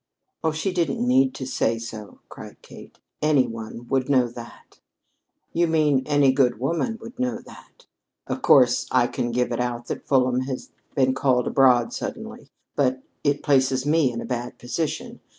"Oh, she didn't need to say so!" cried Kate. "Any one would know that." "You mean, any good woman would know that. Of course, I can give it out that Fulham has been called abroad suddenly, but it places me in a bad position.